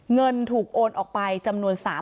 เงินถูกโอนออกไปจำนวน๓๐๐